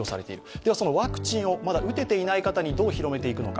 では、そのワクチンをまだ打てていない人にどう広めていくのか。